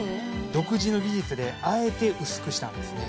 独自の技術であえて薄くしたんですね